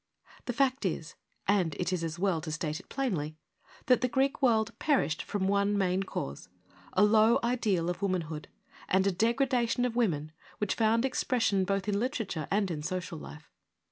The fact is — and it is as well to state it plainly — that the Greek world perished from one main cause, a low ideal of womanhood and a degradation of women which found expression both in literature and in social life.